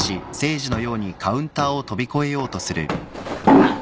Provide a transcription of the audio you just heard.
あっ！